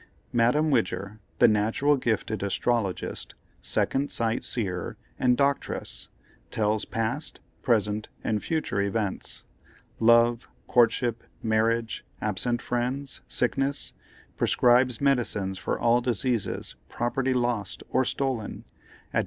"MADAME WIDGER, the Natural Gifted Astrologist, Second Sight Seer and Doctress, tells past, present, and future events; love, courtship, marriage, absent friends, sickness; prescribes medicines for all diseases, property lost or stolen, at No.